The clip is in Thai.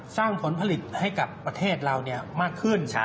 สร้างผลผลิตให้กับประเทศเรามากขึ้น